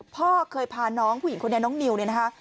พ่อเคยพาน้องผู้หญิงคนนี้น้องนิวเนี่ยนะคะ